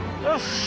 よし！